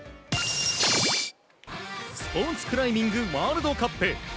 スポーツクライミングワールドカップ。